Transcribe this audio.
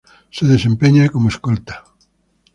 Se desempeña como Escolta.